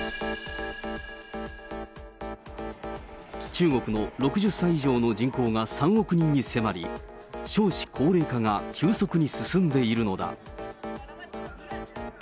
中国の６０歳以上の人口が３億人に迫り、少子高齢化が急速に進んでいるのだ。